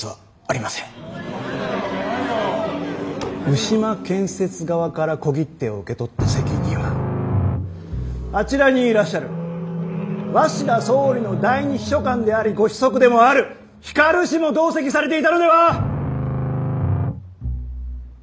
牛間建設側から小切手を受け取った席にはあちらにいらっしゃる鷲田総理の第二秘書官でありご子息でもある光氏も同席されていたのでは？